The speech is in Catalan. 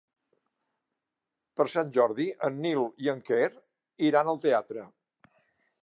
Per Sant Jordi en Nil i en Quer iran al teatre.